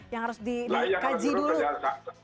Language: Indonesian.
yang harus dikaji dulu